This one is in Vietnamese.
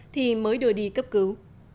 thì mới đưa đi cấp cứu